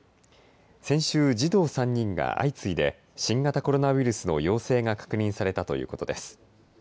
先週、児童３人が相次いで新型コロナウイルスの陽性が確認されたということです。